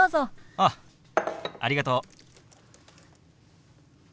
ああありがとう。